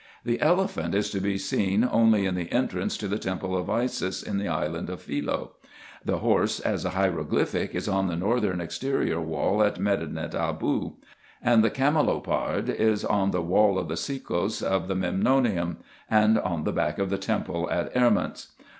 The elephant is to be seen only in the entrance to the temple of Isis, in the island of Philoe : the horse, as a hieroglyphic, is on the northern exterior wall at Medinet Aboo ; and the camelopard is on the wall of the sekos of the Memnonium, and on the back of the temple at Erments.